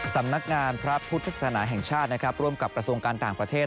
สำนักงานพระพุทธศาสนาแห่งชาตินะครับร่วมกับกระทรวงการต่างประเทศ